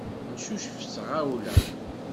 Neccucef s tɣawla.